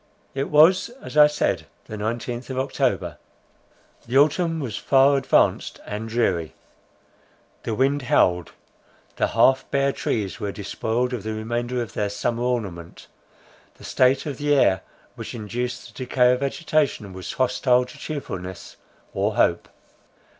It was as I said, the nineteenth of October; the autumn was far advanced and dreary. The wind howled; the half bare trees were despoiled of the remainder of their summer ornament; the state of the air which induced the decay of vegetation, was hostile to cheerfulness or hope.